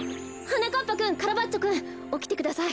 なかっぱくんカラバッチョくんおきてください。